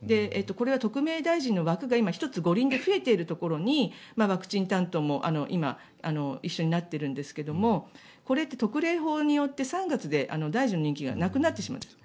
これは特命大臣の枠が１つ、五輪で増えているところにワクチン担当も今、一緒になっているんですがこれって特例法によって３月で大臣の任期がなくなってしまう。